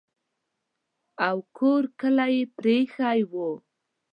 او کور کلی یې پرې ایښی وو.